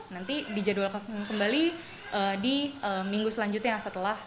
nanti dijadwal kembali di minggu selanjutnya setelah kemas